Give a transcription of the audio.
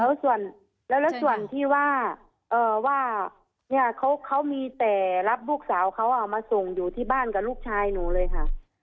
แล้วส่วนที่ว่าเขามีแต่รับลูกสาวเขาเอามาส่งอยู่ที่บ้านกับลูกชายหนูเลยค่ะ